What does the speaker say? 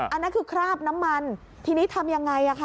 อันนั้นคือคราบน้ำมันทีนี้ทำยังไง